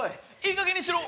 いいかげんにしろ！